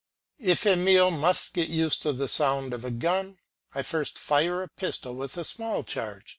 If Emile must get used to the sound of a gun, I first fire a pistol with a small charge.